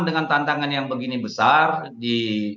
dengan tantangan yang begini besar di